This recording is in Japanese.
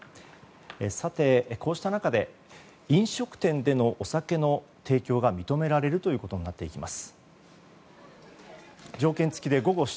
さて、こうした中で飲食店でのお酒の提供が認められるということになっていきます。